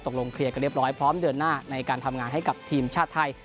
ลงเคลียร์กันเรียบร้อยพร้อมเดือนหน้าในการทำงานให้กับทีมชาติไทย